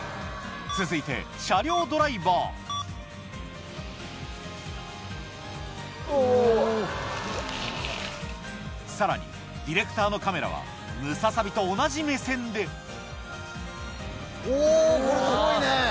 続いて車両ドライバーさらにディレクターのカメラはムササビと同じ目線でおこれすごいね！